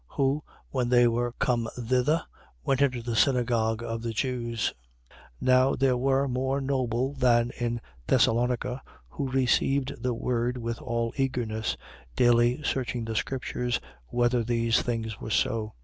Who, when they were come thither, went into the synagogue of the Jews. 17:11. Now these were more noble than those in Thessalonica, who received the word with all eagerness, daily searching the scriptures, whether these things were so.